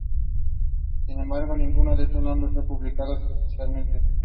Sin embargo, ninguno de estos nombres fue publicado oficialmente.